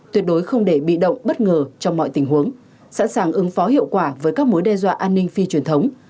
tuyệt đối không để bị động bất ngờ trong mọi tình huống sẵn sàng ứng phó hiệu quả với các mối đe dọa an ninh phi truyền thống